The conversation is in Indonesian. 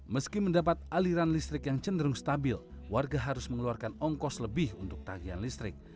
meski mendapat aliran listrik yang cenderung stabil warga harus mengeluarkan ongkos lebih untuk tagihan listrik